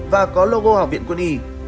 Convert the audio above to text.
và có logo học viện quân y